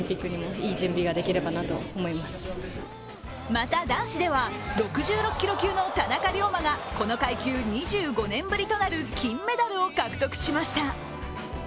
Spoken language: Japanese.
また、男子では６６キロ級の田中龍馬がこの階級２５年ぶりとなる金メダルを獲得しました。